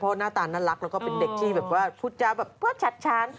เพราะหน้าตาน่ารักแล้วก็เป็นเด็กที่แบบว่าพูดจาแบบว่าชัดช้าน